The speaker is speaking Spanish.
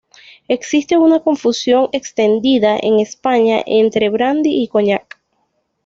Existe una confusión extendida en España entre brandy y coñac.